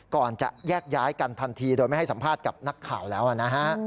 ก่อนจะแยกย้ายกันทันทีโดยไม่ให้สัมภาษณ์กับนักข่าวแล้วนะฮะ